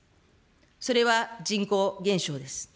それは人口減少です。